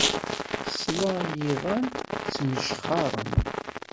Tesla i yiḍan ttmejxaren.